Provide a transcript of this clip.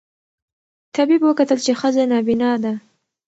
طبیب وکتل چي ښځه نابینا ده